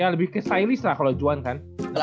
lebih ke stylist lah kalau juan kan